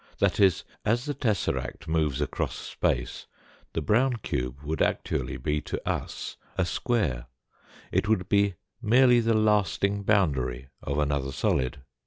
That is, as the tesseract moves across space, the brown cube would actually be to us a square it would be merely the lasting boundary of another solid.